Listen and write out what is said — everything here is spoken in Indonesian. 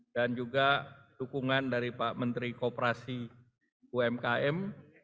dan juga dukungan dari pak menteri kooperasi umkm